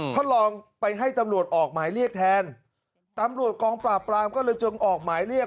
ท่านลองไปให้ตำรวจออกหมายเรียกแทนตำรวจกองปราบปรามก็เลยจงออกหมายเรียก